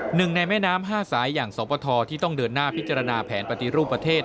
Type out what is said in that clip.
หนึ่งในแม่น้ำ๕สายอย่างสวทที่ต้องเดินหน้าพิจารณาแผนปฏิรูปประเทศ